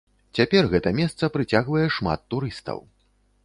Цяпер гэта месца прыцягвае шмат турыстаў.